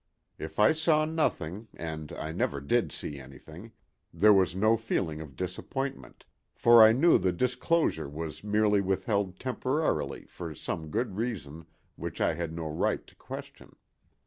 If I saw nothing—and I never did see anything—there was no feeling of disappointment, for I knew the disclosure was merely withheld temporarily for some good reason which I had no right to question.